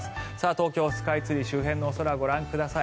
東京スカイツリー周辺のお空をご覧ください。